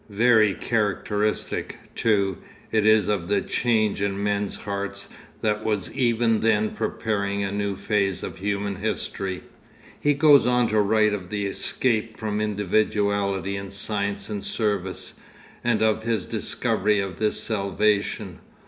Very characteristic, too, it is of the change in men's hearts that was even then preparing a new phase of human history. He goes on to write of the escape from individuality in science and service, and of his discovery of this 'salvation.